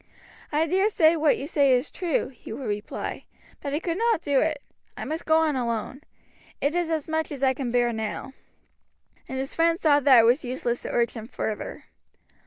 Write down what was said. "I dare say what you say is true," he would reply; "but I could not do it I must go on alone. It is as much as I can bear now." And his friends saw that it was useless to urge him further.